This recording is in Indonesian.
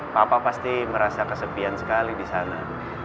papa pasti merasa kesepian sekali di sana